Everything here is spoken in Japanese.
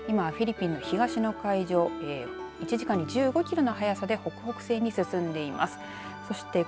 今、フィリピンの東の海上１時間に１５キロの速さで北北西に進んでいます。